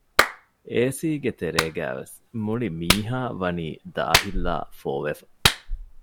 އޭސީގެ ތެރޭގައިވެސް މުޅި މީހާ ވަނީ ދާހިތްލާ ފޯވެފަ